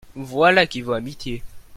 Voilà qui vaut amitié.